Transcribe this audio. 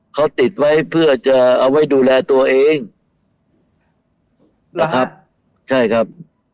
เขาติดไว้เพื่อจะเอาไว้ดูแลตัวเองนะครับใช่ครับ